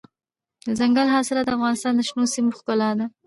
دځنګل حاصلات د افغانستان د شنو سیمو ښکلا ده.